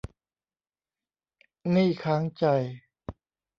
หนี้ค้างใจ